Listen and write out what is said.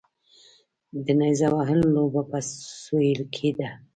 د نیزه وهلو لوبه په سویل کې ده